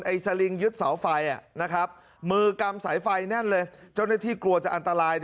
สลิงยึดเสาไฟมือกำสายไฟแน่นเลยเจ้าหน้าที่กลัวจะอันตราย